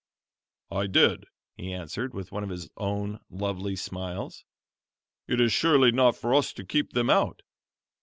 "I did," he answered, with one of his own lovely smiles. "It is surely not for us to keep them out.